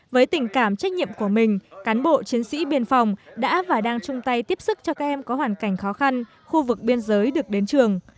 với tình cảm trách nhiệm của mình cán bộ chiến sĩ biên phòng đã và đang chung tay tiếp sức cho các em có hoàn cảnh khó khăn khu vực biên giới được đến trường